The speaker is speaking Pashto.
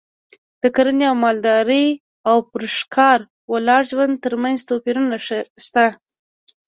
د کرنې او مالدارۍ او پر ښکار ولاړ ژوند ترمنځ توپیرونه شته